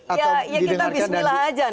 atau didengarkan dari